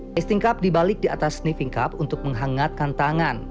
tasting cup dibalik di atas sniffing cup untuk menghangatkan tangan